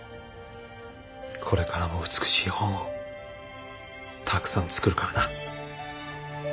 これからも美しい本をたくさん作るからな。